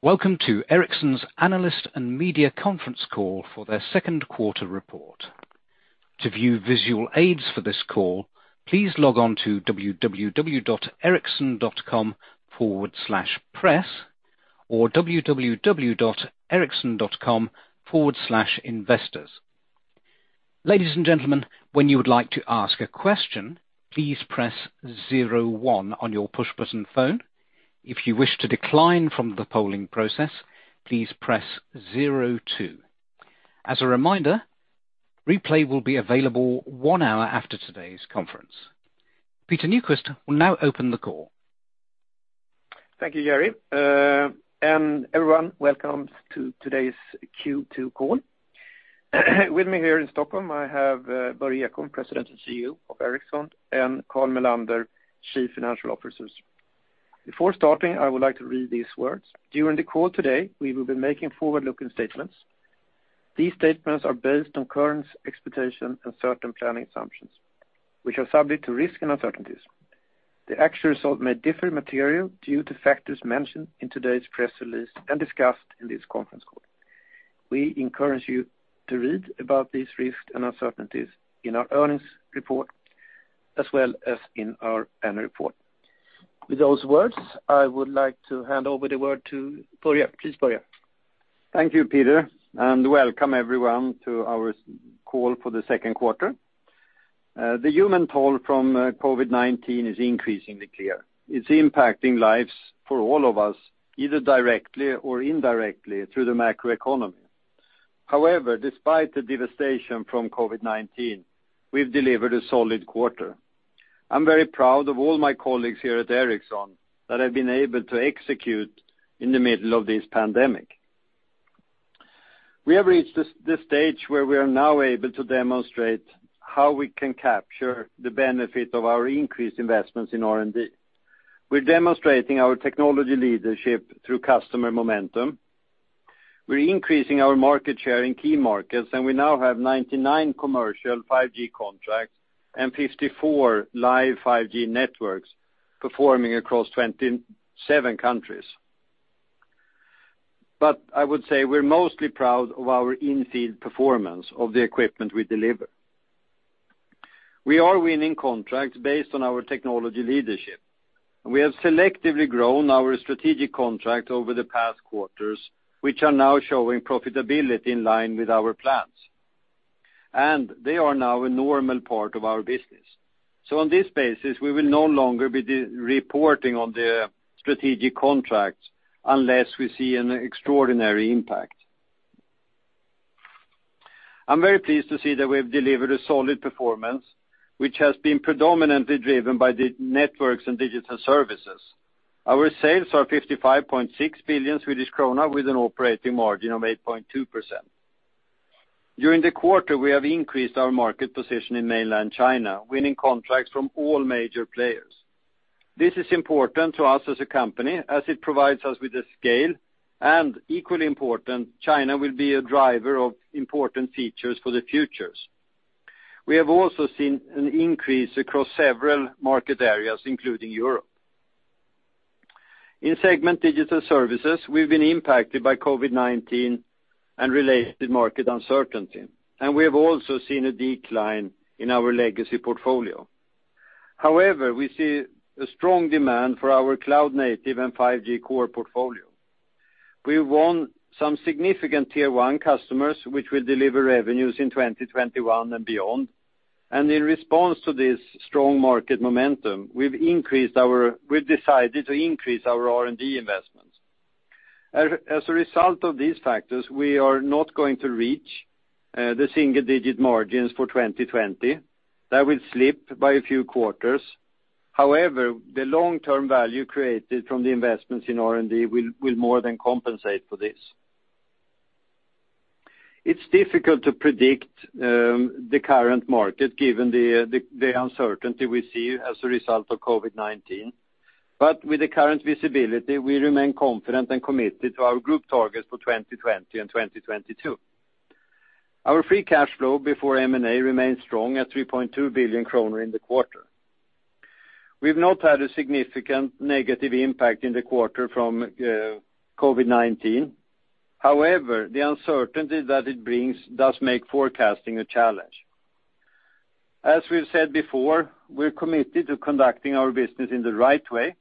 Welcome to Ericsson's Analyst and Media Conference Call for their second quarter report. To view visual aids for this call, please log on to www.ericsson.com/press or www.ericsson.com/investors. Ladies and gentlemen, when you would like to ask a question, please press 01 on your push-button phone. If you wish to decline from the polling process, please press 02. As a reminder, replay will be available one hour after today's conference. Peter Nyquist will now open the call. Thank you, Gary. Everyone, welcome to today's Q2 call. With me here in Stockholm, I have Börje Ekholm, President and Chief Executive Officer of Ericsson, and Carl Mellander, Chief Financial Officer. Before starting, I would like to read these words. During the call today, we will be making forward-looking statements. These statements are based on current expectation and certain planning assumptions, which are subject to risks and uncertainties. The actual result may differ material due to factors mentioned in today's press release and discussed in this conference call. We encourage you to read about these risks and uncertainties in our earnings report, as well as in our annual report. With those words, I would like to hand over the word to Börje. Please, Börje. Thank you, Peter, welcome everyone to our call for the second quarter. The human toll from COVID-19 is increasingly clear. It's impacting lives for all of us, either directly or indirectly through the macroeconomy. However, despite the devastation from COVID-19, we've delivered a solid quarter. I'm very proud of all my colleagues here at Ericsson that have been able to execute in the middle of this pandemic. We have reached the stage where we are now able to demonstrate how we can capture the benefit of our increased investments in R&D. We're demonstrating our technology leadership through customer momentum. We're increasing our market share in key markets, and we now have 99 commercial 5G contracts and 54 live 5G networks performing across 27 countries. I would say we're mostly proud of our in-field performance of the equipment we deliver. We are winning contracts based on our technology leadership. We have selectively grown our strategic contract over the past quarters, which are now showing profitability in line with our plans. They are now a normal part of our business. On this basis, we will no longer be reporting on the strategic contracts unless we see an extraordinary impact. I'm very pleased to see that we have delivered a solid performance, which has been predominantly driven by the networks and digital services. Our sales are 55.6 billion Swedish krona with an operating margin of 8.2%. During the quarter, we have increased our market position in mainland China, winning contracts from all major players. This is important to us as a company as it provides us with the scale, and equally important, China will be a driver of important features for the futures. We have also seen an increase across several market areas, including Europe. In segment Digital Services, we've been impacted by COVID-19 and related market uncertainty. We have also seen a decline in our legacy portfolio. We see a strong demand for our cloud native and 5G core portfolio. We won some significant tier 1 customers which will deliver revenues in 2021 and beyond. In response to this strong market momentum, we've decided to increase our R&D investments. As a result of these factors, we are not going to reach the single-digit margins for 2020. That will slip by a few quarters. The long-term value created from the investments in R&D will more than compensate for this. It's difficult to predict the current market given the uncertainty we see as a result of COVID-19. With the current visibility, we remain confident and committed to our group targets for 2020 and 2022. Our free cash flow before M&A remains strong at 3.2 billion kronor in the quarter. We've not had a significant negative impact in the quarter from COVID-19. The uncertainty that it brings does make forecasting a challenge. As we've said before, we're committed to conducting our business in the right way,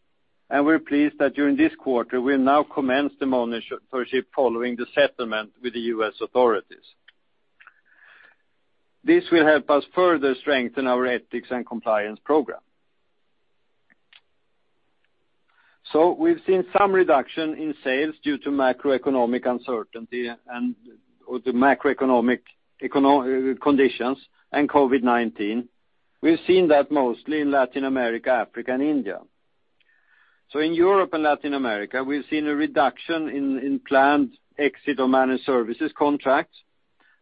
and we're pleased that during this quarter, we'll now commence the monitorship following the settlement with the U.S. authorities. This will help us further strengthen our ethics and compliance program. We've seen some reduction in sales due to macroeconomic uncertainty and the macroeconomic conditions and COVID-19. We've seen that mostly in Latin America, Africa, and India. In Europe and Latin America, we've seen a reduction in planned exit or managed services contracts.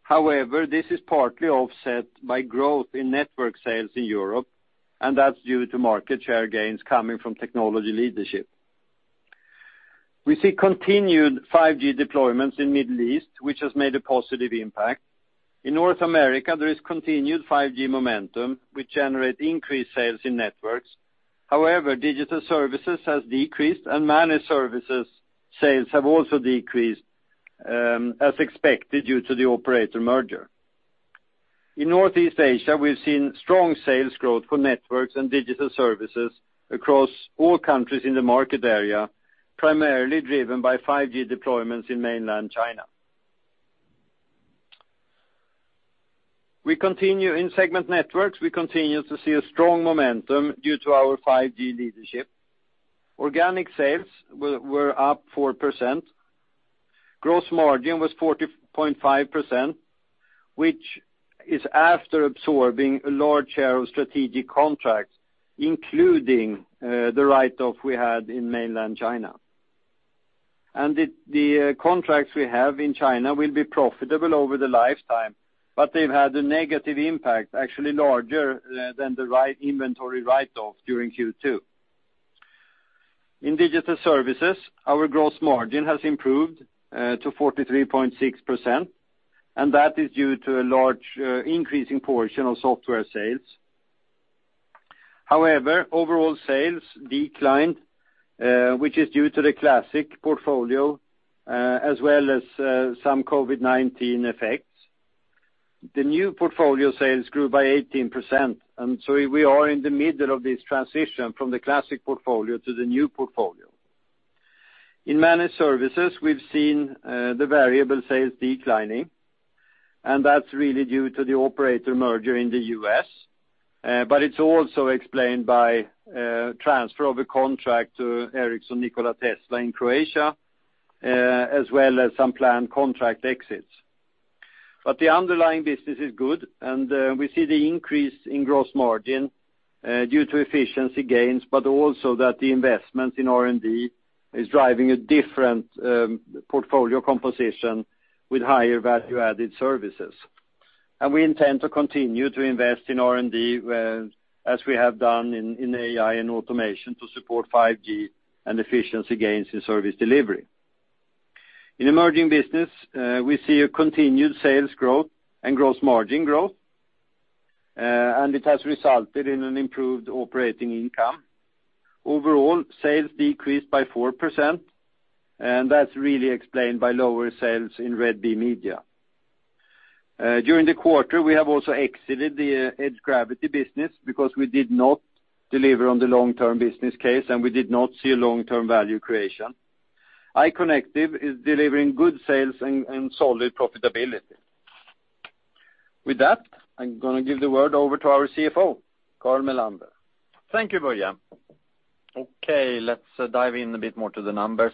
This is partly offset by growth in network sales in Europe, and that's due to market share gains coming from technology leadership. We see continued 5G deployments in Middle East, which has made a positive impact. In North America, there is continued 5G momentum, which generate increased sales in networks. However, digital services has decreased, and managed services sales have also decreased as expected due to the operator merger. In Northeast Asia, we've seen strong sales growth for networks and digital services across all countries in the market area, primarily driven by 5G deployments in mainland China. In segment networks, we continue to see a strong momentum due to our 5G leadership. Organic sales were up 4%. Gross margin was 40.5%, which is after absorbing a large share of strategic contracts, including the write-off we had in mainland China. The contracts we have in China will be profitable over the lifetime, but they've had a negative impact, actually larger than the inventory write-off during Q2. In digital services, our gross margin has improved to 43.6%. That is due to a large increase in portion of software sales. However, overall sales declined, which is due to the classic portfolio, as well as some COVID-19 effects. The new portfolio sales grew by 18%. We are in the middle of this transition from the classic portfolio to the new portfolio. In managed services, we've seen the variable sales declining, and that's really due to the operator merger in the U.S., but it's also explained by transfer of a contract to Ericsson Nikola Tesla in Croatia, as well as some planned contract exits. The underlying business is good, and we see the increase in gross margin due to efficiency gains, but also that the investment in R&D is driving a different portfolio composition with higher value-added services. We intend to continue to invest in R&D, as we have done in AI and automation to support 5G and efficiency gains in service delivery. In emerging business, we see a continued sales growth and gross margin growth, and it has resulted in an improved operating income. Overall, sales decreased by 4%, and that's really explained by lower sales in Red Bee Media. During the quarter, we have also exited the Edge Gravity business because we did not deliver on the long-term business case, and we did not see a long-term value creation. iconectiv is delivering good sales and solid profitability. With that, I'm going to give the word over to our CFO, Carl Mellander. Thank you, Börje. Let's dive in a bit more to the numbers.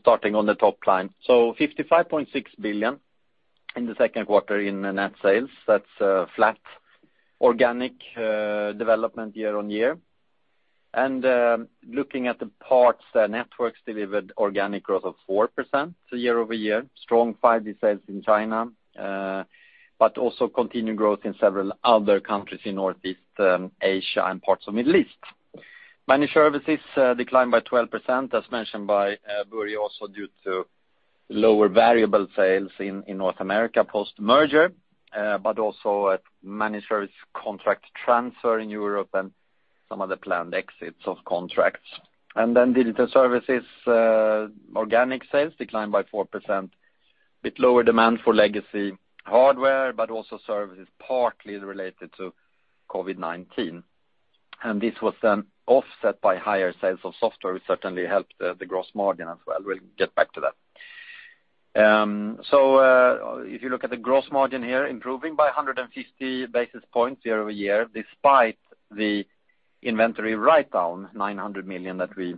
Starting on the top line. 55.6 billion in the second quarter in net sales. That's a flat organic development year-on-year. Looking at the parts, the networks delivered organic growth of 4% year-over-year. Strong 5G sales in China, continued growth in several other countries in Northeast Asia and parts of Middle East. Managed services declined by 12%, as mentioned by Börje, due to lower variable sales in North America post-merger, a managed service contract transfer in Europe and some other planned exits of contracts. Digital services organic sales declined by 4%, with lower demand for legacy hardware, services partly related to COVID-19. This was then offset by higher sales of software, which certainly helped the gross margin as well. We'll get back to that. If you look at the gross margin here, improving by 150 basis points year-over-year, despite the inventory write-down, 900 million that we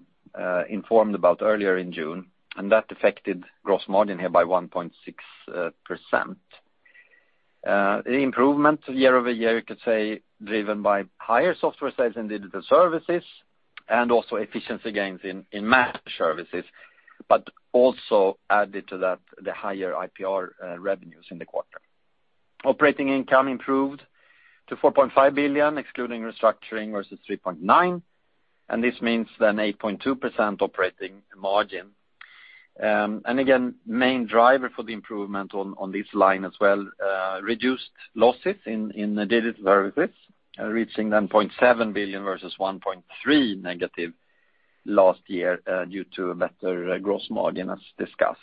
informed about earlier in June, and that affected gross margin here by 1.6%. The improvement year-over-year, you could say, driven by higher software sales in digital services and also efficiency gains in managed services, but also added to that, the higher IPR revenues in the quarter. Operating income improved to 4.5 billion, excluding restructuring versus 3.9 billion, this means then 8.2% operating margin. Again, main driver for the improvement on this line as well, reduced losses in digital services, reaching then 0.7 billion versus 1.3 billion negative last year due to a better gross margin, as discussed.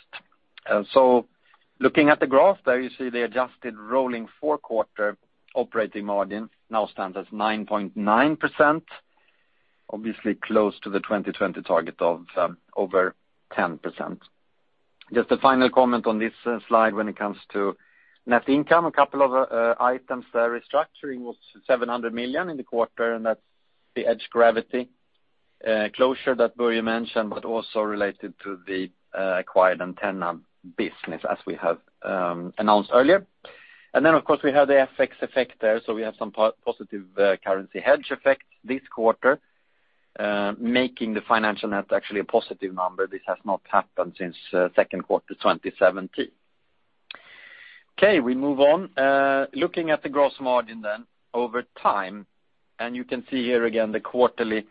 Looking at the graph there, you see the adjusted rolling four-quarter operating margin now stands as 9.9%, obviously close to the 2020 target of over 10%. Just a final comment on this slide when it comes to net income. A couple of items there. Restructuring was 700 million in the quarter, and that's the Edge Gravity closure that Börje mentioned, but also related to the acquired antenna business, as we have announced earlier. Of course, we have the FX effect there. We have some positive currency hedge effects this quarter, making the financial net actually a positive number. This has not happened since second quarter 2017. Okay. We move on. Looking at the gross margin then over time, and you can see here again the quarterly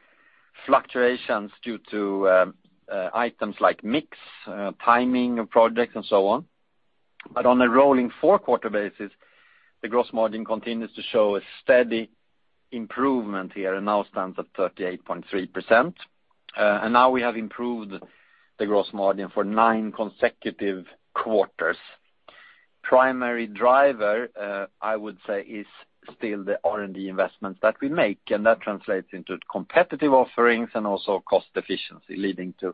fluctuations due to items like mix, timing of projects, and so on. On a rolling four-quarter basis, the gross margin continues to show a steady improvement here and now stands at 38.3%. Now we have improved the gross margin for nine consecutive quarters. Primary driver, I would say, is still the R&D investment that we make, and that translates into competitive offerings and also cost efficiency, leading to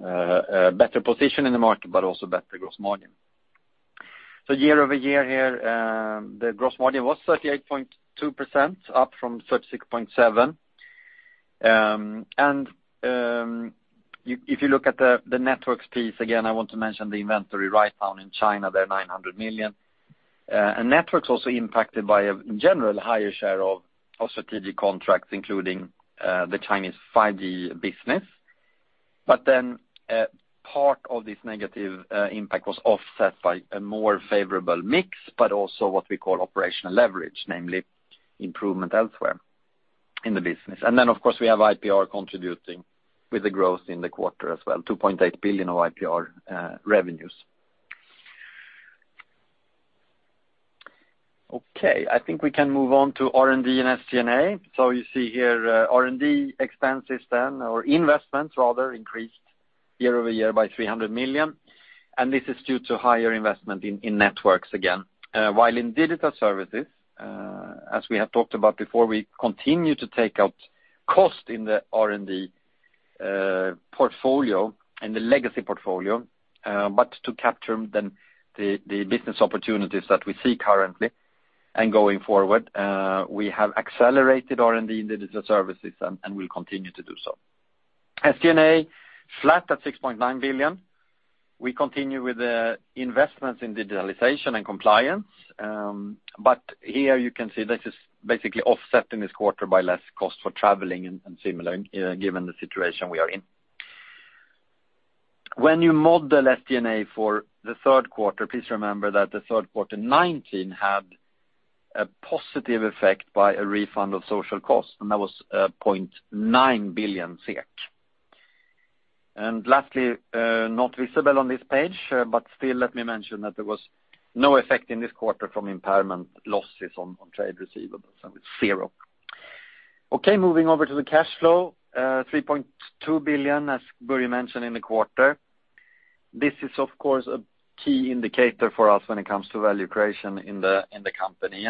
a better position in the market, but also better gross margin. Year-over-year here, the gross margin was 38.2%, up from 36.7%. If you look at the Networks piece, again, I want to mention the inventory write-down in China, the 900 million. Networks also impacted by a general higher share of strategic contracts, including the Chinese 5G business. Part of this negative impact was offset by a more favorable mix, but also what we call operational leverage, namely improvement elsewhere in the business. Of course, we have IPR contributing with the growth in the quarter as well, 2.8 billion of IPR revenues. Okay, I think we can move on to R&D and SG&A. You see here, R&D expenses then, or investments rather, increased year-over-year by 300 million, and this is due to higher investment in Networks again. While in Digital Services, as we have talked about before, we continue to take out cost in the R&D portfolio and the legacy portfolio. To capture then the business opportunities that we see currently and going forward, we have accelerated R&D in Digital Services and will continue to do so. SG&A, flat at 6.9 billion. We continue with the investments in digitalization and compliance. Here you can see this is basically offset in this quarter by less cost for traveling and similar, given the situation we are in. When you model SG&A for the third quarter, please remember that the Q3 2019 had a positive effect by a refund of social costs, and that was 0.9 billion SEK. Lastly, not visible on this page, but still let me mention that there was no effect in this quarter from impairment losses on trade receivables. That was zero. Okay, moving over to the cash flow. 3.2 billion, as Börje mentioned, in the quarter. This is, of course, a key indicator for us when it comes to value creation in the company.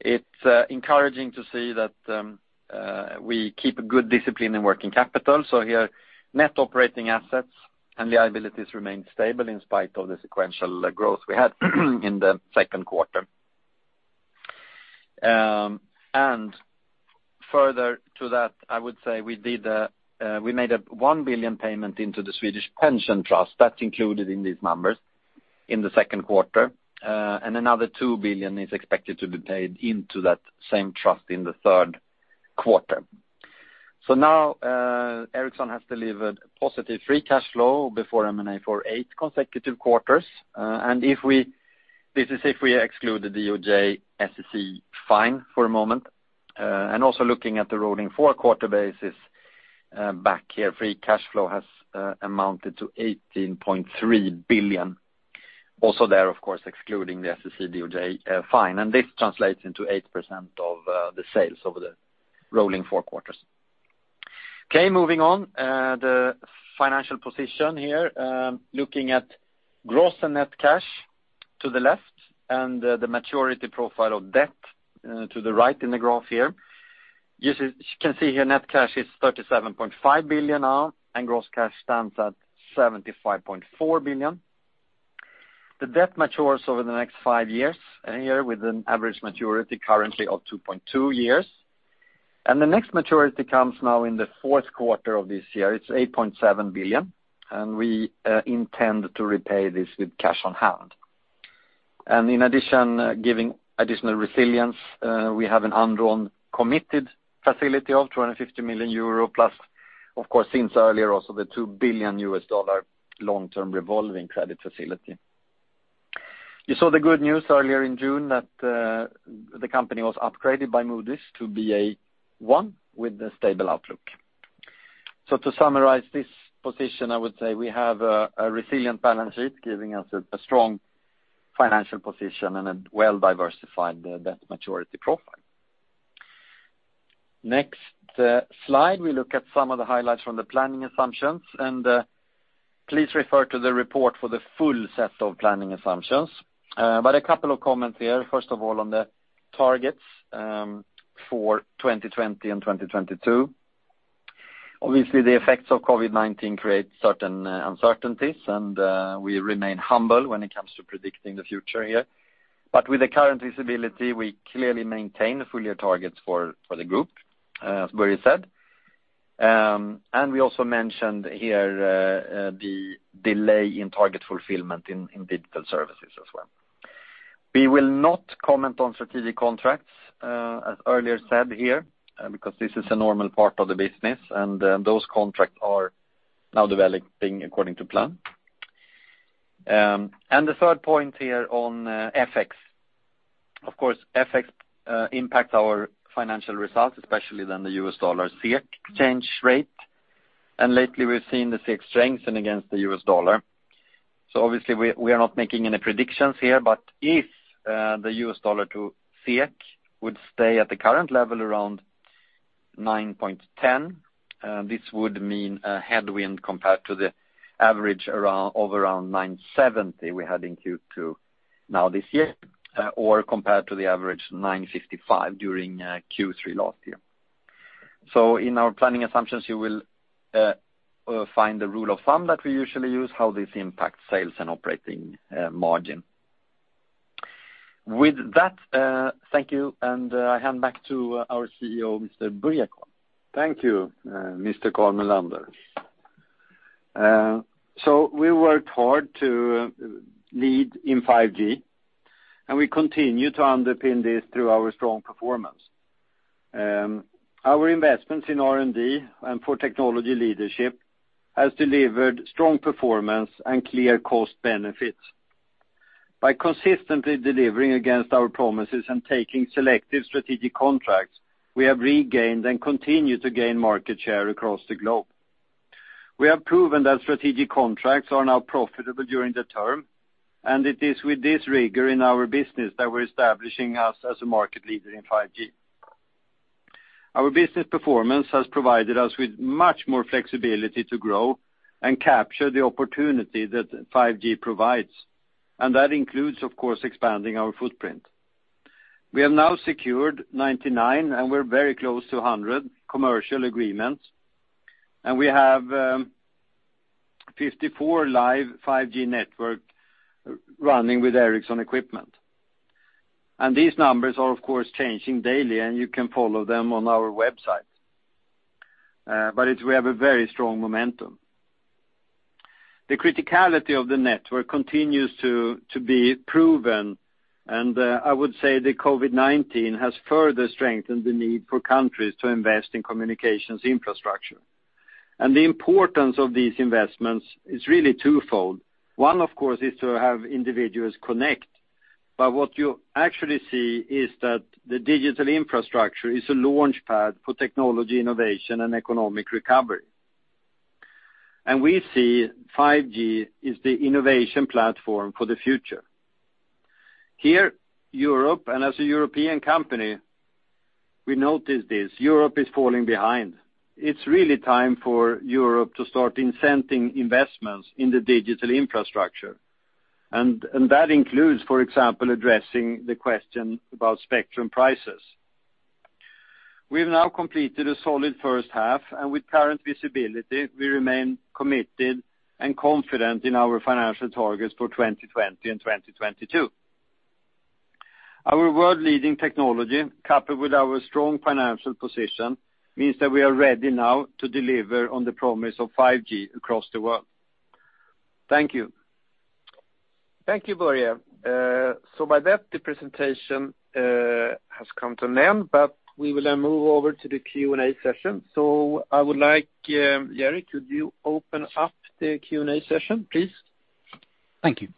It's encouraging to see that we keep a good discipline in working capital. Here, net operating assets and liabilities remain stable in spite of the sequential growth we had in the second quarter. Further to that, I would say we made a 1 billion payment into the Swedish pension trust. That's included in these numbers in the second quarter. Another 2 billion is expected to be paid into that same trust in the third quarter. Now Ericsson has delivered positive free cash flow before M&A for eight consecutive quarters. This is if we exclude the DOJ/SEC fine for a moment, and also looking at the rolling four-quarter basis back here, free cash flow has amounted to 18.3 billion. Also there, of course, excluding the SEC/DOJ fine, and this translates into 8% of the sales over the rolling four quarters. Okay, moving on. The financial position here, looking at gross and net cash to the left and the maturity profile of debt to the right in the graph here. You can see here net cash is 37.5 billion now, and gross cash stands at 75.4 billion. The debt matures over the next five years here with an average maturity currently of 2.2 years. The next maturity comes now in the fourth quarter of this year. It's 8.7 billion. We intend to repay this with cash on hand. In addition, giving additional resilience, we have an undrawn committed facility of 250 million euro plus, of course, since earlier also the $2 billion long-term revolving credit facility. You saw the good news earlier in June that the company was upgraded by Moody's to Ba1 with a stable outlook. To summarize this position, I would say we have a resilient balance sheet giving us a strong financial position and a well-diversified debt maturity profile. Next slide, we look at some of the highlights from the planning assumptions. Please refer to the report for the full set of planning assumptions. A couple of comments here, first of all, on the targets for 2020 and 2022. Obviously, the effects of COVID-19 create certain uncertainties, and we remain humble when it comes to predicting the future here. With the current visibility, we clearly maintain the full-year targets for the group, as Börje said. We also mentioned here the delay in target fulfillment in Digital Services as well. We will not comment on strategic contracts, as earlier said here, because this is a normal part of the business, and those contracts are now developing according to plan. The third point here on FX. Of course, FX impacts our financial results, especially the US dollar-SEK exchange rate. Lately, we've seen the SEK strengthen against the US dollar. Obviously, we are not making any predictions here. If the US dollar to SEK would stay at the current level around 9.10, this would mean a headwind compared to the average of around 9.70 we had in Q2 now this year, or compared to the average 9.55 during Q3 last year. In our planning assumptions, you will find the rule of thumb that we usually use, how this impacts sales and operating margin. With that, thank you, and I hand back to our CEO, Mr. Börje Ekholm. Thank you, Mr. Carl Mellander. We worked hard to lead in 5G, and we continue to underpin this through our strong performance. Our investments in R&D and for technology leadership has delivered strong performance and clear cost benefits. By consistently delivering against our promises and taking selective strategic contracts, we have regained and continue to gain market share across the globe. We have proven that strategic contracts are now profitable during the term, and it is with this rigor in our business that we're establishing us as a market leader in 5G. Our business performance has provided us with much more flexibility to grow and capture the opportunity that 5G provides, and that includes, of course, expanding our footprint. We have now secured 99, and we're very close to 100 commercial agreements, and we have 54 live 5G network running with Ericsson equipment. These numbers are, of course, changing daily, and you can follow them on our website. We have a very strong momentum. The criticality of the network continues to be proven, and I would say the COVID-19 has further strengthened the need for countries to invest in communications infrastructure. The importance of these investments is really twofold. One, of course, is to have individuals connect. What you actually see is that the digital infrastructure is a launch pad for technology innovation and economic recovery. We see 5G is the innovation platform for the future. Here, Europe, and as a European company, we notice this. Europe is falling behind. It's really time for Europe to start incenting investments in the digital infrastructure. That includes, for example, addressing the question about spectrum prices. We've now completed a solid first half, and with current visibility, we remain committed and confident in our financial targets for 2020 and 2022. Our world-leading technology, coupled with our strong financial position, means that we are ready now to deliver on the promise of 5G across the world. Thank you. Thank you, Börje. By that, the presentation has come to an end, but we will then move over to the Q&A session. I would like, Gary, could you open up the Q&A session, please? Thank you.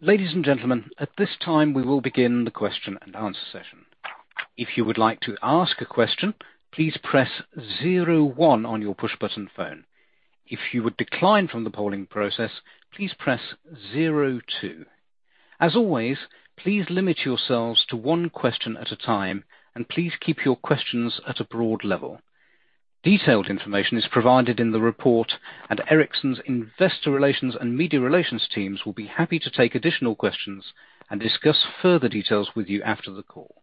Ladies and gentlemen, at this time, we will begin the question and answer session. If you would like to ask a question, please press 01 on your push button phone. If you would decline from the polling process, please press 02. As always, please limit yourselves to one question at a time, and please keep your questions at a broad level. Detailed information is provided in the report, and Ericsson's investor relations and media relations teams will be happy to take additional questions and discuss further details with you after the call.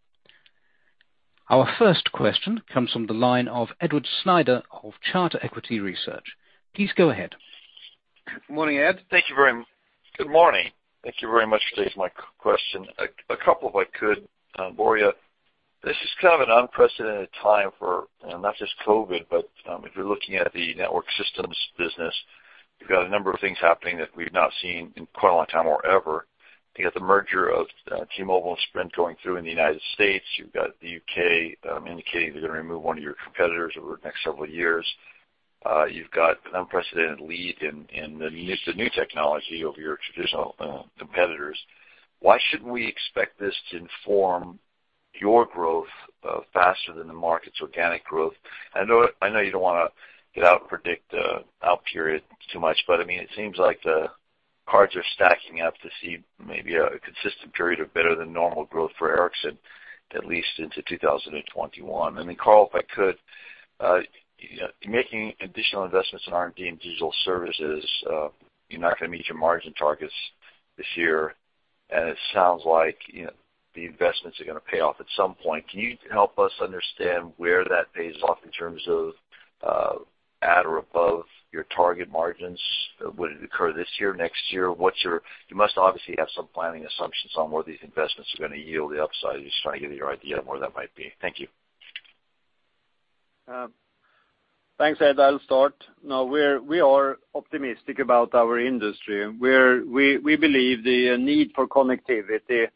Our first question comes from the line of Edward Snyder of Charter Equity Research. Please go ahead. Morning, Ed. Good morning. Thank you very much for taking my question. A couple, if I could. Börje, this is kind of an unprecedented time for not just COVID, but if you're looking at the network systems business, you've got a number of things happening that we've not seen in quite a long time, or ever. You got the merger of T-Mobile and Sprint going through in the U.S. You've got the U.K. indicating they're going to remove one of your competitors over the next several years. You've got an unprecedented lead in the new technology over your traditional competitors. Why shouldn't we expect this to inform your growth faster than the market's organic growth? I know you don't want to get out and predict out period too much, but it seems like the cards are stacking up to see maybe a consistent period of better than normal growth for Ericsson, at least into 2021. Carl, if I could, making additional investments in R&D and digital services, you're not going to meet your margin targets this year, and it sounds like the investments are going to pay off at some point. Can you help us understand where that pays off in terms of at or above your target margins? Would it occur this year, next year? You must obviously have some planning assumptions on where these investments are going to yield the upside. Just trying to get your idea of where that might be. Thank you. Thanks, Ed. I'll start. We are optimistic about our industry. The need for connectivity is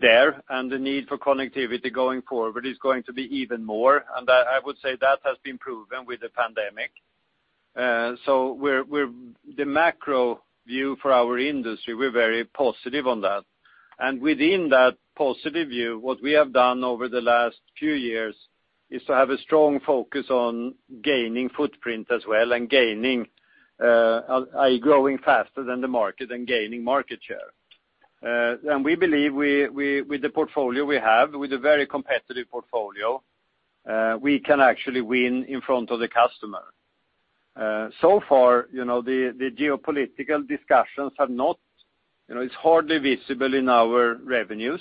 there, the need for connectivity going forward is going to be even more. I would say that has been proven with the pandemic. The macro view for our industry, we're very positive on that. Within that positive view, what we have done over the last few years is to have a strong focus on gaining footprint as well, growing faster than the market and gaining market share. We believe with the portfolio we have, with a very competitive portfolio, we can actually win in front of the customer. So far, the geopolitical discussions are hardly visible in our revenues,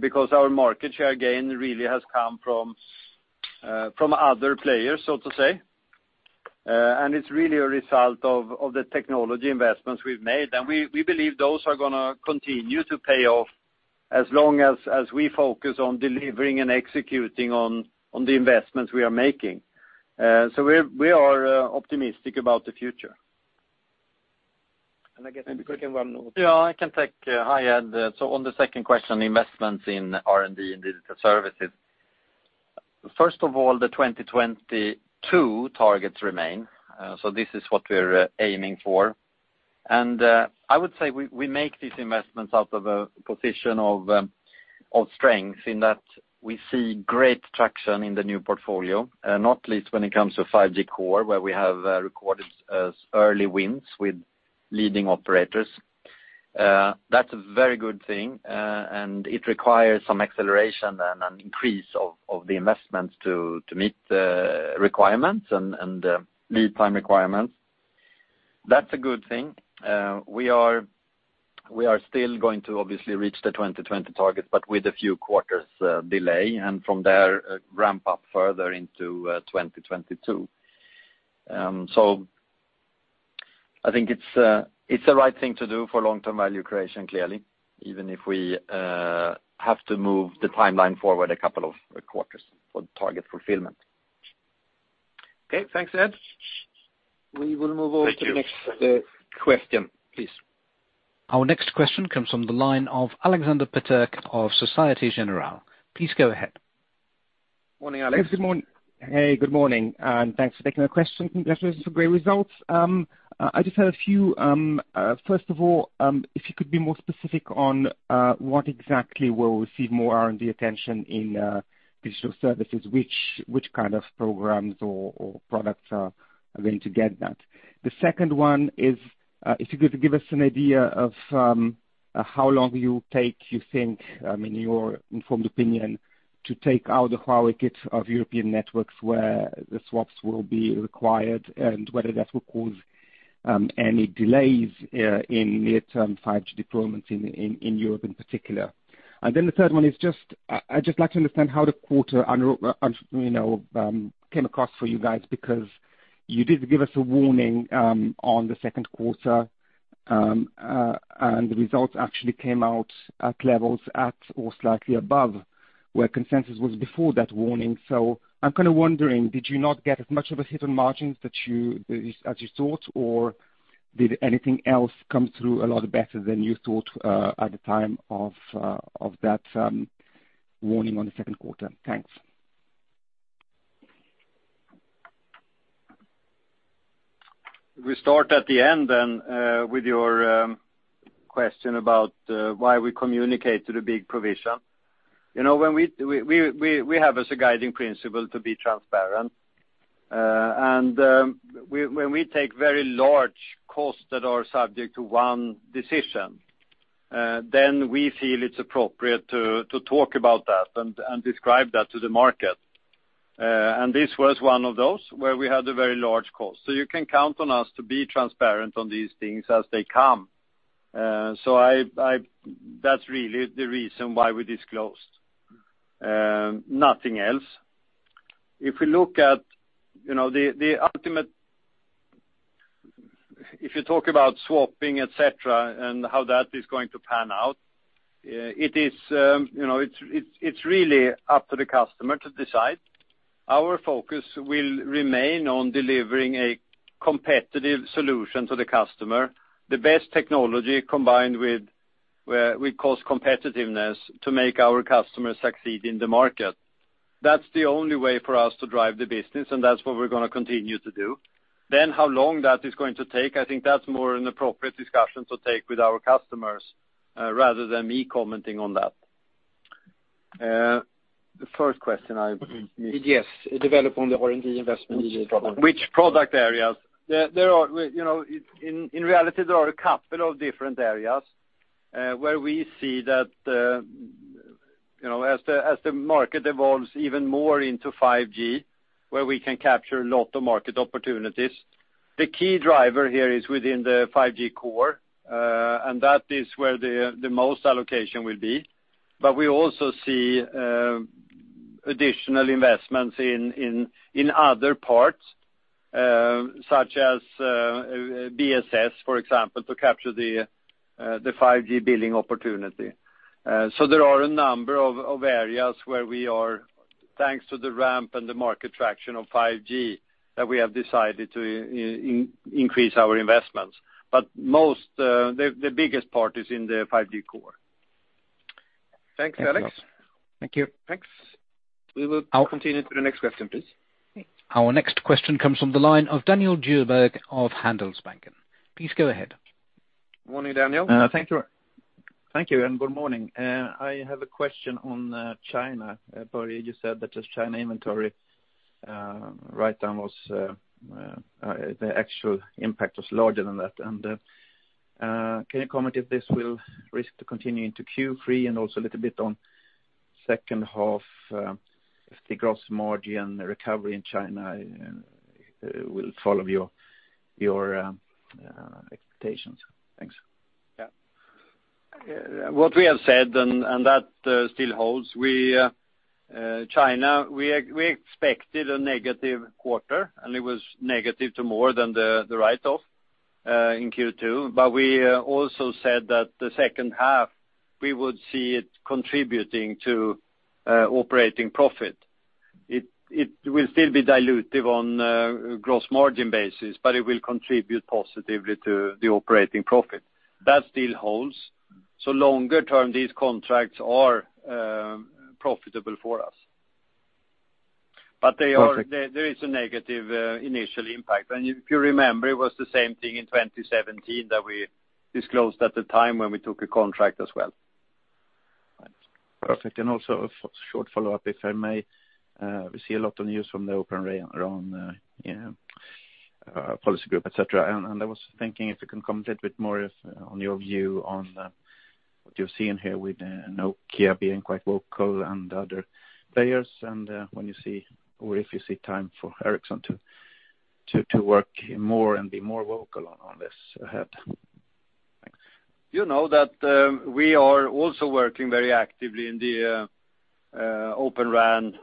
because our market share gain really has come from other players, so to say. It's really a result of the technology investments we've made. We believe those are going to continue to pay off as long as we focus on delivering and executing on the investments we are making. We are optimistic about the future. I guess maybe the second one. I can take. Hi, Ed. On the second question, investments in R&D and digital services. First of all, the 2022 targets remain. This is what we are aiming for. I would say we make these investments out of a position of strength in that we see great traction in the new portfolio, not least when it comes to 5G core, where we have recorded early wins with leading operators. That is a very good thing, it requires some acceleration and an increase of the investments to meet the requirements and lead time requirements. That is a good thing. We are still going to obviously reach the 2020 targets, with a few quarters delay, from there, ramp up further into 2022. I think it's the right thing to do for long-term value creation, clearly, even if we have to move the timeline forward a couple of quarters for target fulfillment. Okay, thanks, Ed. We will move on to the next question, please. Our next question comes from the line of Aleksander Peterc of Société Générale. Please go ahead. Morning, Alex. Hey, good morning, and thanks for taking my question. Congratulations on the great results. I just have a few. First of all, if you could be more specific on what exactly will receive more R&D attention in digital services, which kind of programs or products are going to get that? The second one is, if you could give us an idea of how long you take, you think, in your informed opinion, to take out the Huawei kit of European networks where the swaps will be required and whether that will cause any delays in near-term 5G deployments in Europe in particular. The third one is I'd just like to understand how the quarter came across for you guys, because you did give us a warning on the second quarter, and the results actually came out at levels at or slightly above where consensus was before that warning. I'm kind of wondering, did you not get as much of a hit on margins as you thought? Or did anything else come through a lot better than you thought at the time of that warning on the second quarter? Thanks. We start at the end then with your question about why we communicate to the big provision. We have as a guiding principle to be transparent. When we take very large costs that are subject to one decision, then we feel it's appropriate to talk about that and describe that to the market. This was one of those where we had a very large cost. You can count on us to be transparent on these things as they come. That's really the reason why we disclosed. Nothing else. If you talk about swapping, et cetera, and how that is going to pan out, it's really up to the customer to decide. Our focus will remain on delivering a competitive solution to the customer. The best technology combined with cost competitiveness to make our customers succeed in the market. That's the only way for us to drive the business, and that's what we're going to continue to do. How long that is going to take, I think that's more an appropriate discussion to take with our customers rather than me commenting on that. The first question I missed. Yes, development on the R&D investment. Which product areas. In reality, there are a couple of different areas where we see that as the market evolves even more into 5G, where we can capture a lot of market opportunities. The key driver here is within the 5G core, and that is where the most allocation will be. We also see additional investments in other parts, such as BSS, for example, to capture the 5G billing opportunity. There are a number of areas where we are, thanks to the ramp and the market traction of 5G, that we have decided to increase our investments. The biggest part is in the 5G core. Thanks, Alex. Thank you. Thanks. We will continue to the next question, please. Our next question comes from the line of Daniel Djurberg of Handelsbanken. Please go ahead. Morning, Daniel. Thank you. Thank you, and good morning. I have a question on China. Börje, you said that the China inventory writedown, the actual impact was larger than that. Can you comment if this will risk to continue into Q3? Also a little bit on second half, if the gross margin recovery in China will follow your expectations. Thanks. What we have said, that still holds. China, we expected a negative quarter, it was negative to more than the write-off, in Q2. We also said that the second half, we would see it contributing to operating profit. It will still be dilutive on a gross margin basis, it will contribute positively to the operating profit. That still holds. Longer term, these contracts are profitable for us. Perfect. There is a negative initial impact. If you remember, it was the same thing in 2017 that we disclosed at the time when we took a contract as well. Right. Perfect. Also a short follow-up, if I may. We see a lot of news from the Open RAN Policy Coalition, et cetera. I was thinking if you can comment a bit more on your view on what you're seeing here with Nokia being quite vocal and other players, and when you see or if you see time for Ericsson to work more and be more vocal on this ahead. Thanks. You know that we are also working very actively in the Open RAN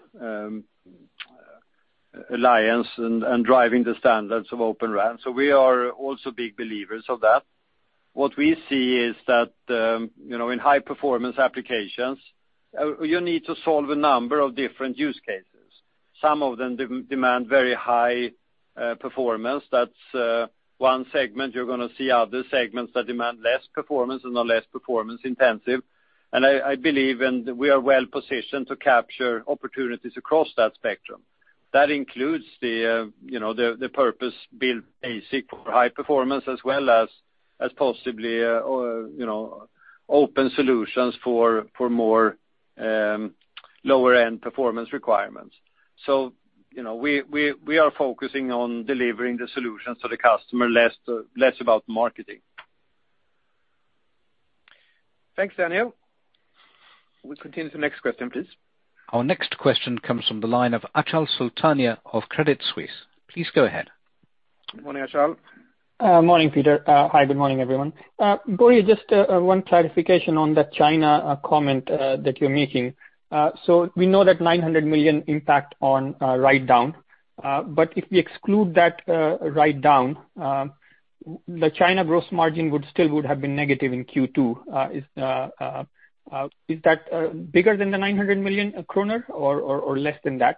Alliance and driving the standards of Open RAN. We are also big believers of that. What we see is that in high-performance applications, you need to solve a number of different use cases. Some of them demand very high performance. That's one segment. You're going to see other segments that demand less performance and are less performance intensive. I believe we are well-positioned to capture opportunities across that spectrum. That includes the purpose-built basic or high performance as well as possibly open solutions for more lower-end performance requirements. We are focusing on delivering the solutions to the customer, less about marketing. Thanks, Daniel. We continue to next question, please. Our next question comes from the line of Achal Sultania of Credit Suisse. Please go ahead. Morning, Achal. Morning, Peter. Hi, good morning, everyone. Börje, just one clarification on that China comment that you're making. We know that 900 million impact on writedown. If we exclude that writedown, the China gross margin still would have been negative in Q2. Is that bigger than the 900 million kronor or less than that?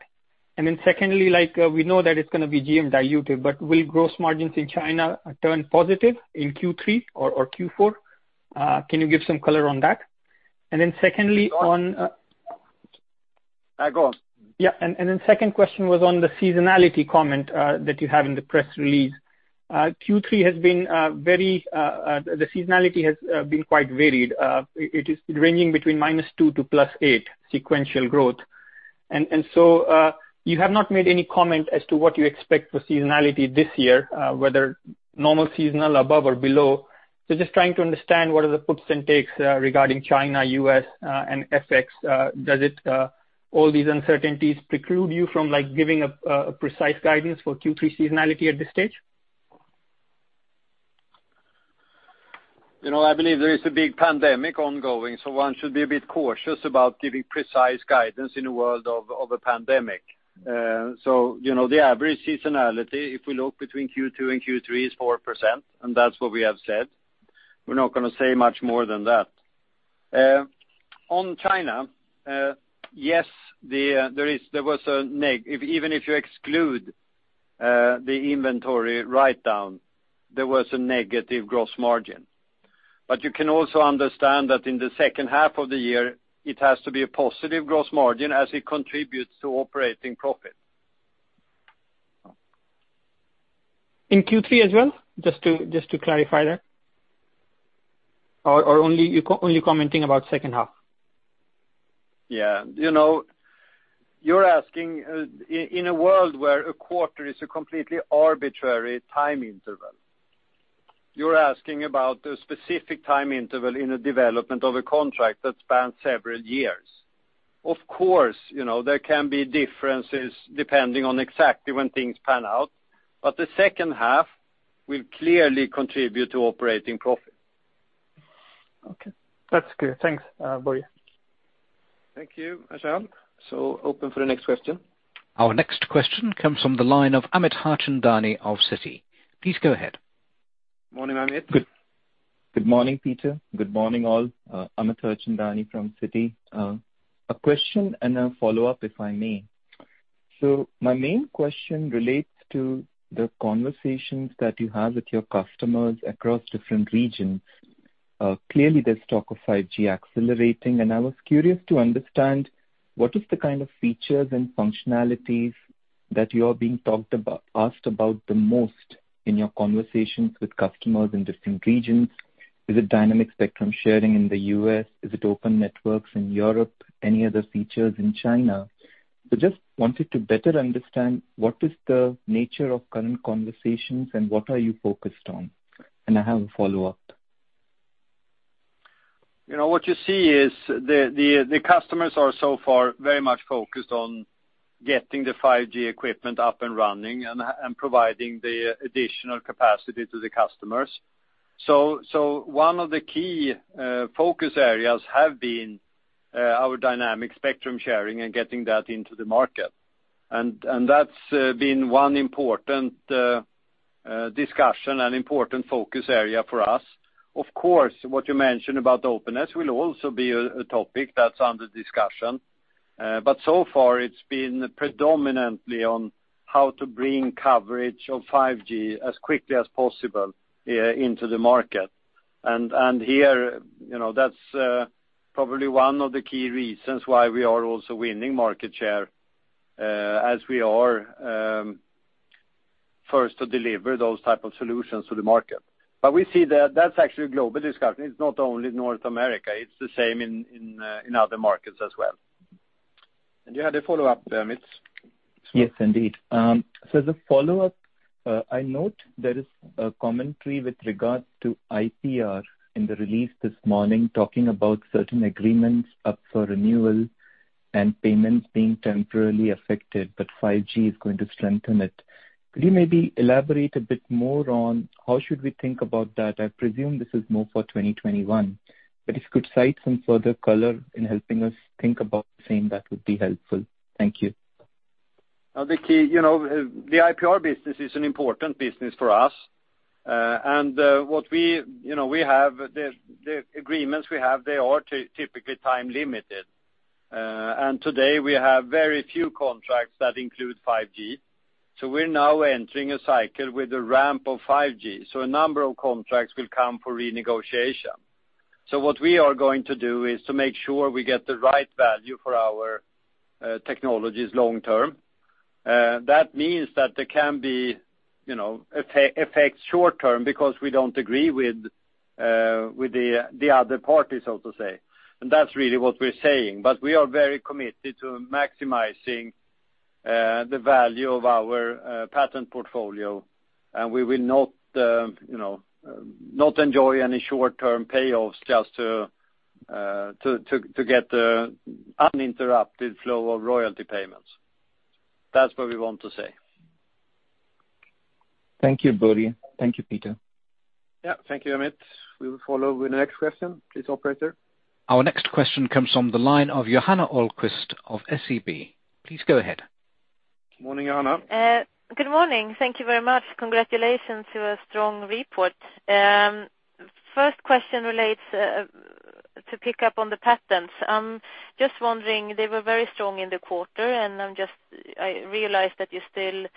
Secondly, we know that it's going to be GM diluted, will gross margins in China turn positive in Q3 or Q4? Can you give some color on that? Secondly, on Go on. Yeah. Second question was on the seasonality comment that you have in the press release. Q3, the seasonality has been quite varied. It is ranging between minus 2 to plus 8 sequential growth. You have not made any comment as to what you expect for seasonality this year, whether normal seasonal, above, or below. Just trying to understand what are the puts and takes regarding China, U.S., and FX. Does all these uncertainties preclude you from giving a precise guidance for Q3 seasonality at this stage? I believe there is a big pandemic ongoing, so one should be a bit cautious about giving precise guidance in a world of a pandemic. The average seasonality, if we look between Q2 and Q3, is 4%, and that's what we have said. We're not going to say much more than that. On China, yes, even if you exclude the inventory writedown, there was a negative gross margin. You can also understand that in the second half of the year, it has to be a positive gross margin as it contributes to operating profit. In Q3 as well? Just to clarify that. Are you only commenting about second half? Yeah. You're asking in a world where a quarter is a completely arbitrary time interval. You're asking about a specific time interval in the development of a contract that spans several years. Of course, there can be differences depending on exactly when things pan out. The second half will clearly contribute to operating profit. Okay. That's clear. Thanks, Börje. Thank you, Achal. Open for the next question. Our next question comes from the line of Amit Harchandani of Citi. Please go ahead. Morning, Amit. Good morning, Peter. Good morning, all. Amit Harchandani from Citi. A question and a follow-up, if I may. My main question relates to the conversations that you have with your customers across different regions. Clearly, there's talk of 5G accelerating, and I was curious to understand what is the kind of features and functionalities that you're being asked about the most in your conversations with customers in different regions? Is it Dynamic Spectrum Sharing in the U.S.? Is it open networks in Europe? Any other features in China? I just wanted to better understand what is the nature of current conversations and what are you focused on? I have a follow-up. What you see is the customers are so far very much focused on getting the 5G equipment up and running and providing the additional capacity to the customers. One of the key focus areas have been our Dynamic Spectrum Sharing and getting that into the market. That's been one important discussion and important focus area for us. Of course, what you mentioned about openness will also be a topic that's under discussion. So far it's been predominantly on how to bring coverage of 5G as quickly as possible into the market. Here, that's probably one of the key reasons why we are also winning market share, as we are first to deliver those type of solutions to the market. We see that that's actually a global discussion. It's not only North America, it's the same in other markets as well. You had a follow-up there, Amit. Yes, indeed. The follow-up, I note there is a commentary with regards to IPR in the release this morning talking about certain agreements up for renewal and payments being temporarily affected, but 5G is going to strengthen it. Could you maybe elaborate a bit more on how should we think about that? I presume this is more for 2021, but if you could cite some further color in helping us think about the same, that would be helpful. Thank you. The IPR business is an important business for us. The agreements we have, they are typically time-limited. Today we have very few contracts that include 5G. We're now entering a cycle with the ramp of 5G. A number of contracts will come for renegotiation. What we are going to do is to make sure we get the right value for our technologies long term. That means that there can be effects short term because we don't agree with the other parties, so to say. That's really what we're saying. We are very committed to maximizing the value of our patent portfolio, and we will not enjoy any short-term payoffs just to get the uninterrupted flow of royalty payments. That's what we want to say. Thank you, Börje. Thank you, Peter. Yeah. Thank you, Amit. We will follow with the next question. Please, operator. Our next question comes from the line of Johanna Ahlqvist of SEB. Please go ahead. Morning, Johanna. Good morning. Thank you very much. Congratulations to a strong report. First question relates to pick up on the patents. Just wondering, they were very strong in the quarter, and I realized that you still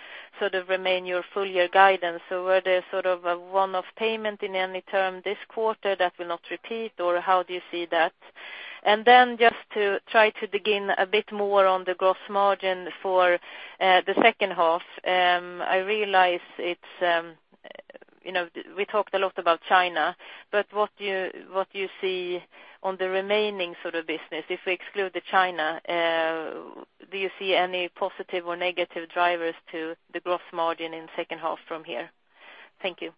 sort of remain your full year guidance. Were they a one-off payment in any term this quarter that will not repeat, or how do you see that? Just to try to dig in a bit more on the gross margin for the second half. I realize we talked a lot about China, but what do you see on the remaining business? If we exclude the China, do you see any positive or negative drivers to the gross margin in second half from here? Thank you.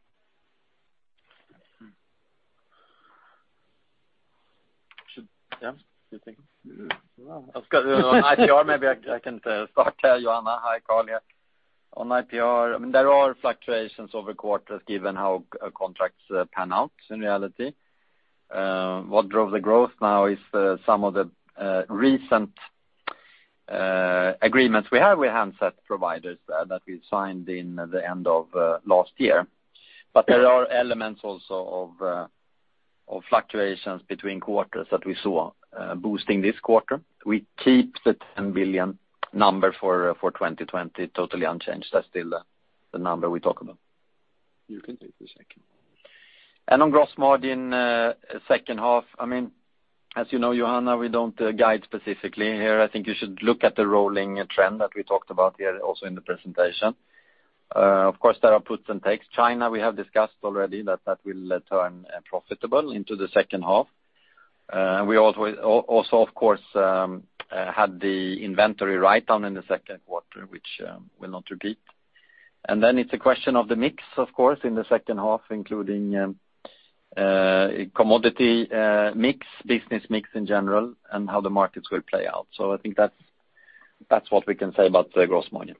Yeah. Do you think? Well. On IPR, maybe I can start there, Johanna. Hi, Carl here. On IPR, there are fluctuations over quarters given how contracts pan out in reality. What drove the growth now is some of the recent agreements we have with handset providers that we signed in the end of last year. There are elements also of fluctuations between quarters that we saw boosting this quarter. We keep the 10 billion number for 2020 totally unchanged. That's still the number we talk about. You can take the second one. On gross margin, second half, as you know, Johanna, we don't guide specifically here. I think you should look at the rolling trend that we talked about here also in the presentation. Of course, there are puts and takes. China, we have discussed already that that will turn profitable into the second half. We also, of course, had the inventory write-down in the second quarter, which will not repeat. Then it's a question of the mix, of course, in the second half, including commodity mix, business mix in general, and how the markets will play out. I think that's what we can say about the gross margin.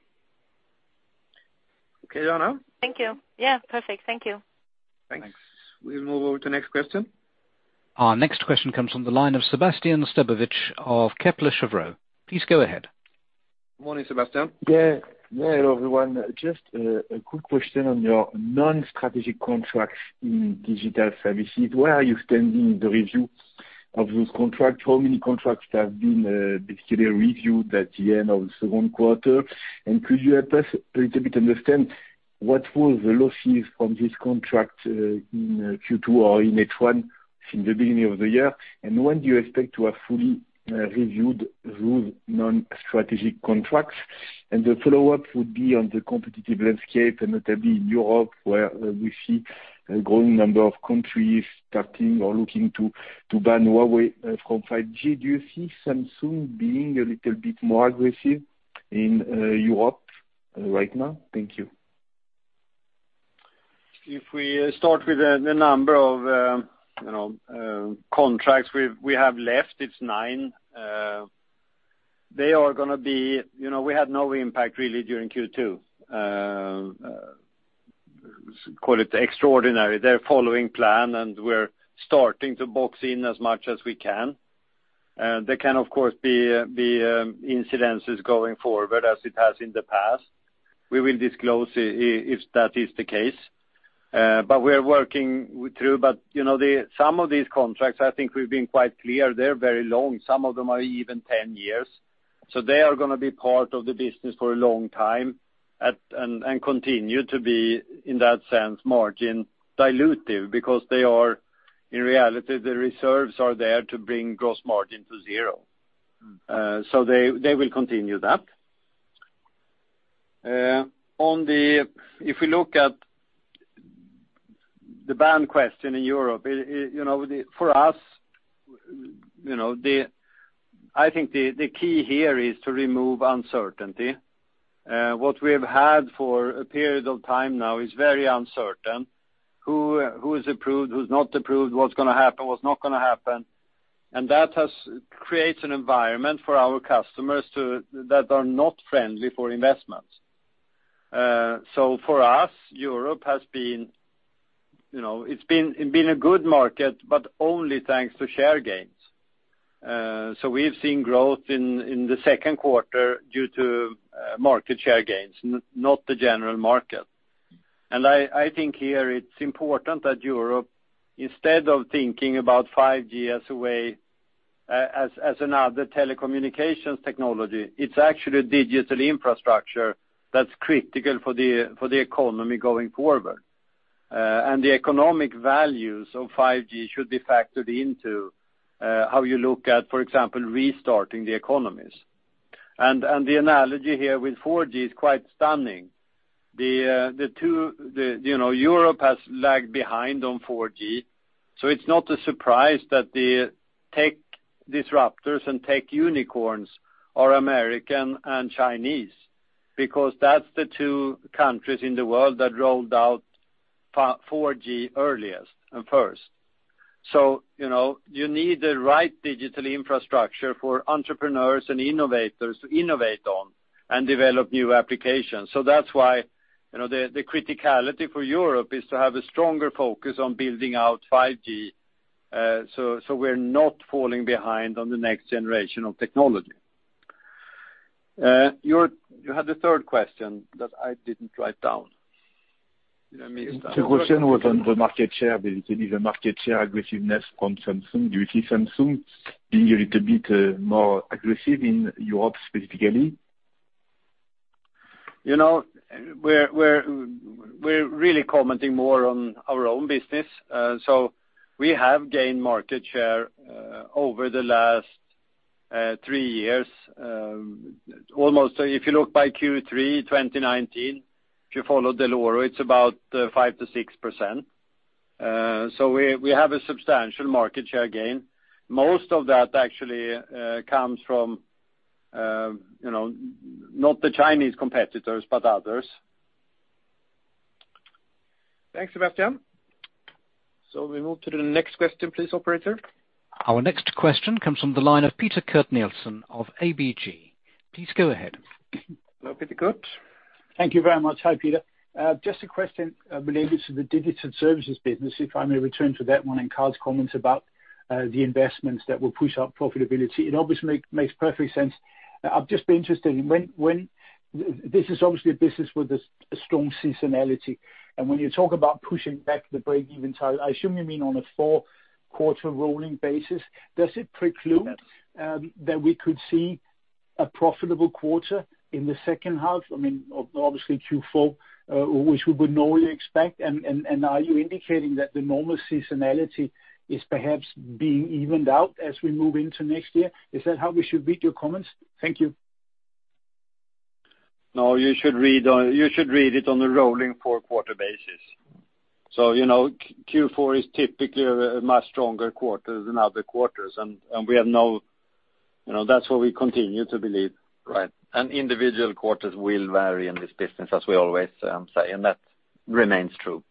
Okay, Johanna? Thank you. Yeah, perfect. Thank you. Thanks. Thanks. We'll move over to the next question. Our next question comes from the line of Sébastien Sztabowicz of Kepler Cheuvreux. Please go ahead. Morning, Sébastien. Hello, everyone. Just a quick question on your non-strategic contracts in digital services. Where are you standing in the review? Of those contracts, how many contracts have been basically reviewed at the end of the second quarter? Could you help us a little bit understand what were the losses from this contract in Q2 or in H1 from the beginning of the year? When do you expect to have fully reviewed those non-strategic contracts? The follow-up would be on the competitive landscape, and notably in Europe, where we see a growing number of countries starting or looking to ban Huawei from 5G. Do you see Samsung being a little bit more aggressive in Europe right now? Thank you. If we start with the number of contracts we have left, it's nine. We had no impact really during Q2. Call it extraordinary. They're following plan, we're starting to box in as much as we can. There can, of course, be incidences going forward as it has in the past. We will disclose if that is the case. We are working through. Some of these contracts, I think we've been quite clear, they're very long. Some of them are even 10 years. They are going to be part of the business for a long time, and continue to be, in that sense, margin dilutive because they are, in reality, the reserves are there to bring gross margin to zero. They will continue that. If we look at the ban question in Europe, for us, I think the key here is to remove uncertainty. What we've had for a period of time now is very uncertain. Who's approved, who's not approved, what's going to happen, what's not going to happen. That has created an environment for our customers that are not friendly for investments. For us, Europe has been a good market, but only thanks to share gains. We've seen growth in the second quarter due to market share gains, not the general market. I think here it's important that Europe, instead of thinking about 5G as a way, as another telecommunications technology, it's actually digital infrastructure that's critical for the economy going forward. The economic values of 5G should be factored into how you look at, for example, restarting the economies. The analogy here with 4G is quite stunning. Europe has lagged behind on 4G. It's not a surprise that the tech disruptors and tech unicorns are American and Chinese, because that's the two countries in the world that rolled out 4G earliest and first. You need the right digital infrastructure for entrepreneurs and innovators to innovate on and develop new applications. That's why, the criticality for Europe is to have a stronger focus on building out 5G, so we're not falling behind on the next generation of technology. You had a third question that I didn't write down. Did I miss that? The question was on the market share, basically, the market share aggressiveness from Samsung. Do you see Samsung being a little bit more aggressive in Europe specifically? We're really commenting more on our own business. We have gained market share over the last three years. Almost, if you look by Q3 2019, if you follow Dell'Oroe, it's about 5%-6%. We have a substantial market share gain. Most of that actually comes from, not the Chinese competitors, but others. Thanks, Sébastien. We move to the next question please, operator. Our next question comes from the line of Peter Kurt Nielsen of ABG. Please go ahead. Hello, Peter Kurt. Thank you very much. Hi, Peter. Just a question related to the digital services business, if I may return to that one and Carl's comments about the investments that will push up profitability. It obviously makes perfect sense. I'm just interested, this is obviously a business with a strong seasonality. When you talk about pushing back the break-even time, I assume you mean on a four-quarter rolling basis. Does it preclude- Yes that we could see a profitable quarter in the second half? I mean, obviously Q4, which we would normally expect. Are you indicating that the normal seasonality is perhaps being evened out as we move into next year? Is that how we should read your comments? Thank you. No, you should read it on a rolling four-quarter basis. Q4 is typically a much stronger quarter than other quarters, and that's what we continue to believe. Right. Individual quarters will vary in this business, as we always say, and that remains true.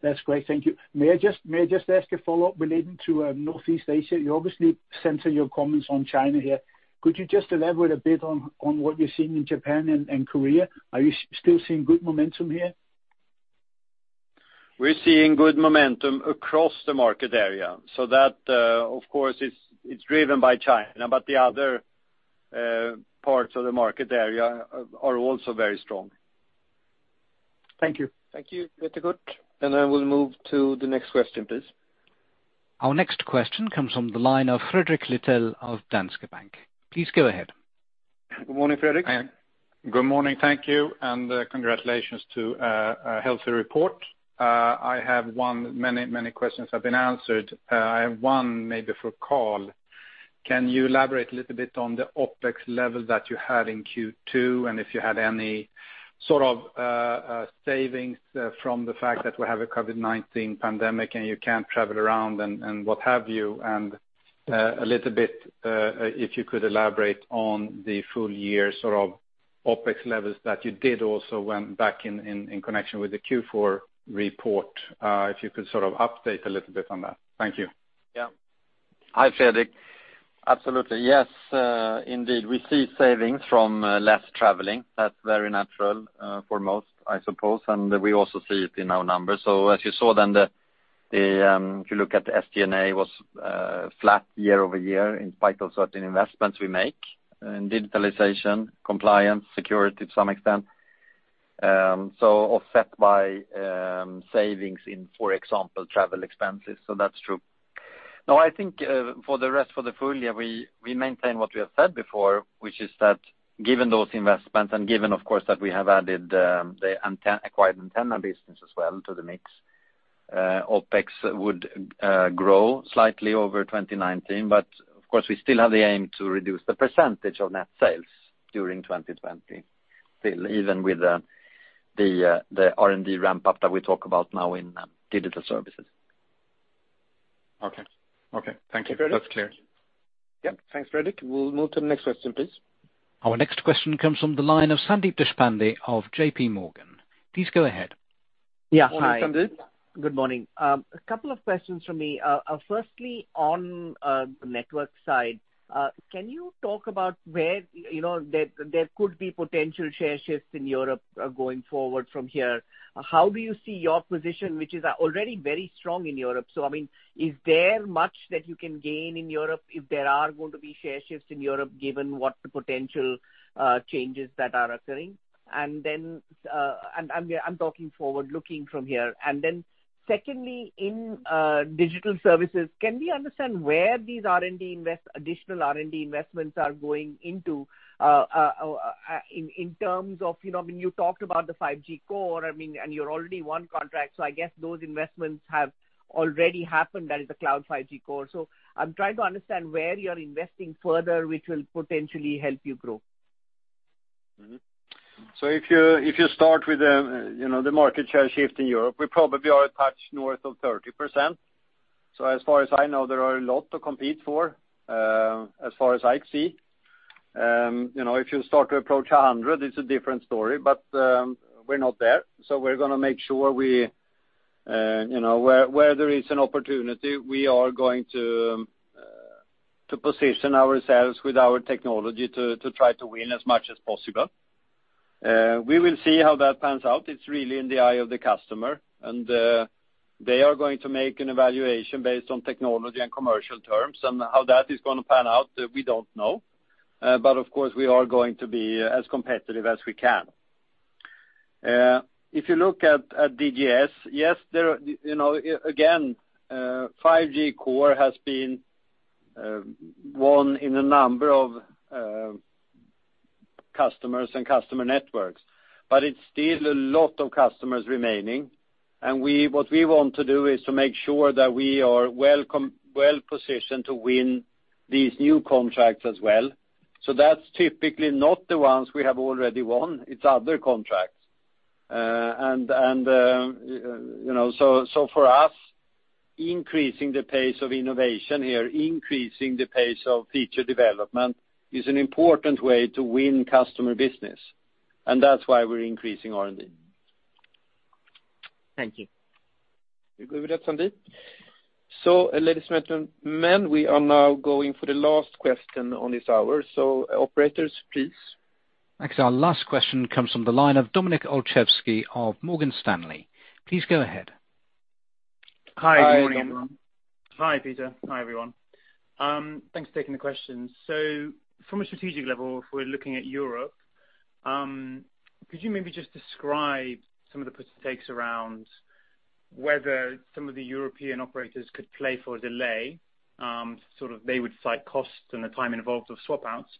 That's great. Thank you. May I just ask a follow-up relating to Northeast Asia? You obviously center your comments on China here. Could you just elaborate a bit on what you're seeing in Japan and Korea? Are you still seeing good momentum here? We're seeing good momentum across the market area. That, of course, it's driven by China, but the other parts of the market area are also very strong. Thank you. Thank you. Very good. I will move to the next question, please. Our next question comes from the line of Fredrik Lithell of Danske Bank. Please go ahead. Good morning, Fredrik. Good morning. Thank you, and congratulations to a healthy report. Many questions have been answered. I have one maybe for Carl. Can you elaborate a little bit on the OpEx level that you had in Q2, and if you had any sort of savings from the fact that we have a COVID-19 pandemic and you can't travel around and what have you? A little bit, if you could elaborate on the full year sort of OpEx levels that you did also back in connection with the Q4 report. If you could sort of update a little bit on that. Thank you. Yeah. Hi, Fredrik. Absolutely. Yes. Indeed, we see savings from less traveling. That's very natural for most, I suppose, and we also see it in our numbers. As you saw then, if you look at the SG&A was flat year-over-year in spite of certain investments we make in digitalization, compliance, security to some extent. Offset by savings in, for example, travel expenses. That's true. Now, I think for the rest for the full year, we maintain what we have said before, which is that given those investments and given, of course, that we have added the acquired antenna business as well to the mix, OpEx would grow slightly over 2019. Of course, we still have the aim to reduce the percentage of net sales during 2020 still, even with the R&D ramp-up that we talk about now in digital services. Okay. Thank you. Thanks, Fredrik. That's clear. Yep. Thanks, Fredrik. We'll move to the next question, please. Our next question comes from the line of Sandeep Deshpande of JPMorgan. Please go ahead. Good morning, Sandeep. Yeah. Hi. Good morning. A couple of questions from me. On the network side, can you talk about where there could be potential share shifts in Europe going forward from here? How do you see your position, which is already very strong in Europe? I mean, is there much that you can gain in Europe if there are going to be share shifts in Europe, given what the potential changes that are occurring? I'm talking forward looking from here. Then secondly, in digital services, can we understand where these additional R&D investments are going into, in terms of, you talked about the 5G core, and you're already one contract. I guess those investments have already happened. That is the cloud 5G core. I'm trying to understand where you're investing further, which will potentially help you grow. If you start with the market share shift in Europe, we probably are a touch north of 30%. As far as I know, there are a lot to compete for, as far as I see. If you start to approach 100, it's a different story, but we're not there. We're going to make sure where there is an opportunity, we are going to position ourselves with our technology to try to win as much as possible. We will see how that pans out. It's really in the eye of the customer, and they are going to make an evaluation based on technology and commercial terms, and how that is going to pan out, we don't know. Of course, we are going to be as competitive as we can. If you look at DGS, yes, again, 5G core has been won in a number of customers and customer networks. It's still a lot of customers remaining. What we want to do is to make sure that we are well-positioned to win these new contracts as well. That's typically not the ones we have already won. It's other contracts. For us, increasing the pace of innovation here, increasing the pace of feature development is an important way to win customer business, and that's why we're increasing R&D. Thank you. You're good with that, Sandeep? Ladies and gentlemen, we are now going for the last question on this hour. Operators, please. Thanks. Our last question comes from the line of Dominik Olszewski of Morgan Stanley. Please go ahead. Hi. Good morning. Hi, Dominik. Hi, Peter. Hi, everyone. Thanks for taking the question. From a strategic level, if we're looking at Europe, could you maybe just describe some of the puts and takes around whether some of the European operators could play for a delay, sort of they would cite costs and the time involved of swap outs.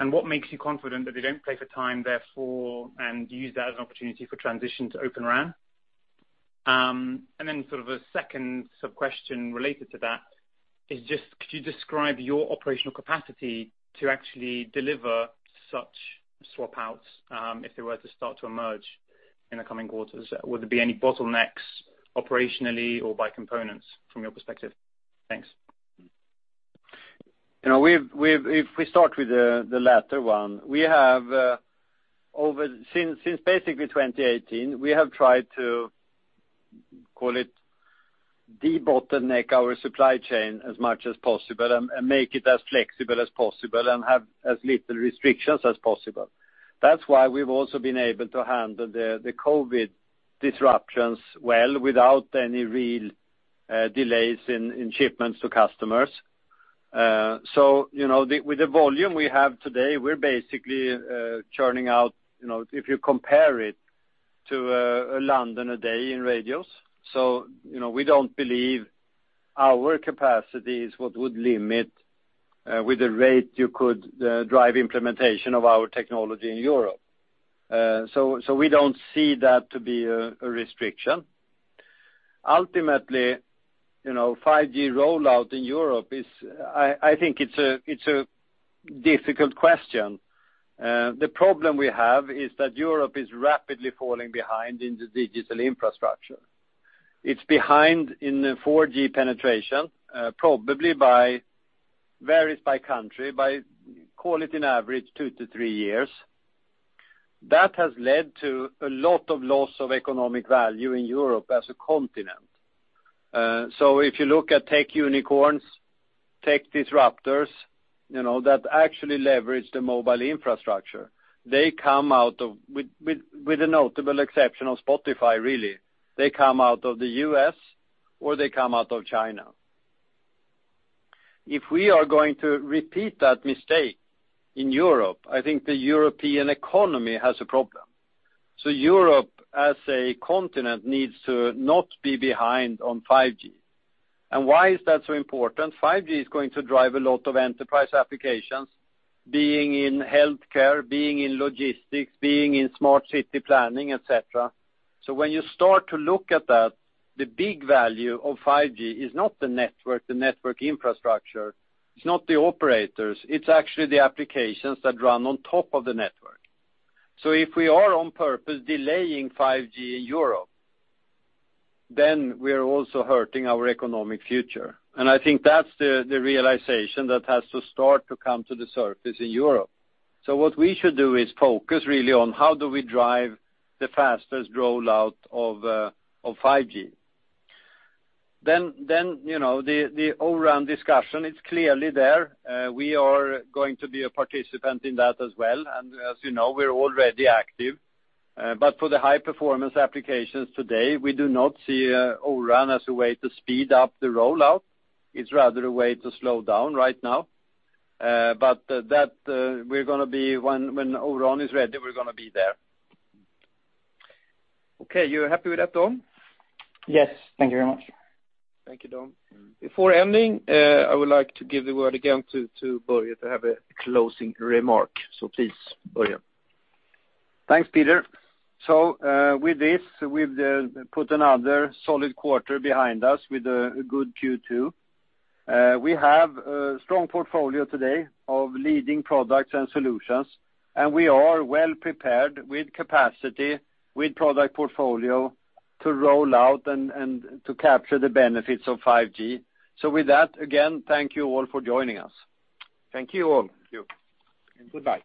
What makes you confident that they don't play for time therefore and use that as an opportunity for transition to Open RAN? Sort of a second sub-question related to that is just could you describe your operational capacity to actually deliver such swap outs, if they were to start to emerge in the coming quarters? Would there be any bottlenecks operationally or by components from your perspective? Thanks. If we start with the latter one. Since basically 2018, we have tried to call it de-bottleneck our supply chain as much as possible and make it as flexible as possible and have as little restrictions as possible. That's why we've also been able to handle the COVID disruptions well without any real delays in shipments to customers. With the volume we have today, we're basically churning out, if you compare it to a London a day in radios. We don't believe our capacity is what would limit with the rate you could drive implementation of our technology in Europe. We don't see that to be a restriction. Ultimately, 5G rollout in Europe is, I think it's a difficult question. The problem we have is that Europe is rapidly falling behind in the digital infrastructure. It's behind in 4G penetration, probably by, varies by country, by call it in average 2-3 years. That has led to a lot of loss of economic value in Europe as a continent. If you look at tech unicorns, tech disruptors, that actually leverage the mobile infrastructure, they come out of, with a notable exception of Spotify, really, they come out of the U.S. or they come out of China. If we are going to repeat that mistake in Europe, I think the European economy has a problem. Europe as a continent needs to not be behind on 5G. Why is that so important? 5G is going to drive a lot of enterprise applications, being in healthcare, being in logistics, being in smart city planning, et cetera. When you start to look at that, the big value of 5G is not the network, the network infrastructure. It's not the operators. It's actually the applications that run on top of the network. If we are on purpose delaying 5G in Europe, then we're also hurting our economic future. I think that's the realization that has to start to come to the surface in Europe. What we should do is focus really on how do we drive the fastest rollout of 5G. The O-RAN discussion, it's clearly there. We are going to be a participant in that as well. As you know, we're already active. For the high performance applications today, we do not see O-RAN as a way to speed up the rollout. It's rather a way to slow down right now. That we're going to be, when O-RAN is ready, we're going to be there. Okay, you're happy with that, Dom? Yes. Thank you very much. Thank you, Dom. Before ending, I would like to give the word again to Börje to have a closing remark. Please, Börje. Thanks, Peter. With this, we've put another solid quarter behind us with a good Q2. We have a strong portfolio today of leading products and solutions, and we are well prepared with capacity, with product portfolio to roll out and to capture the benefits of 5G. With that, again, thank you all for joining us. Thank you all. Thank you. Goodbye.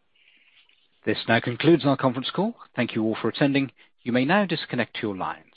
This now concludes our conference call. Thank you all for attending. You may now disconnect your lines.